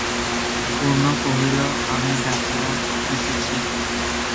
পূর্ণ কহিল, আমি ডাকিয়া দিতেছি।